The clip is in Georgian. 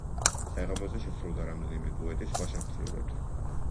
საღამოზე შესრულდა რამდენიმე დუეტი სხვა შემსრულებლებთან.